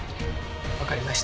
わかりました。